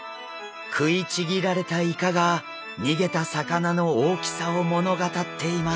食いちぎられたイカが逃げた魚の大きさを物語っています。